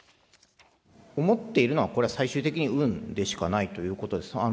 思っているのは、最終的に運でしかないということです。